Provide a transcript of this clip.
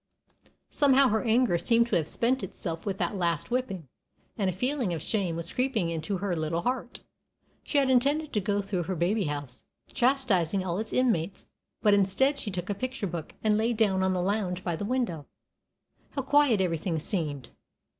Somehow her anger seemed to have spent itself with that last whipping, and a feeling of shame was creeping into her little heart. She had intended to go through her baby house, chastising all its inmates, but instead she took a picture book, and lay down on the lounge by the window. How quiet everything seemed!